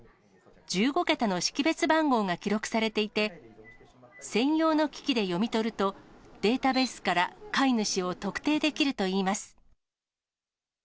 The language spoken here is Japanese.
１５桁の識別番号が記録されていて、専用の機器で読み取ると、データベースから飼い主を特定できるといいます。